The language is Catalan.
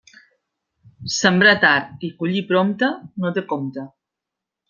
Sembrar tard i collir prompte, no té compte.